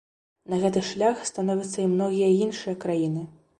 На гэты шлях становяцца і многія іншыя краіны.